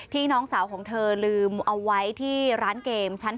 น้องสาวของเธอลืมเอาไว้ที่ร้านเกมชั้น๓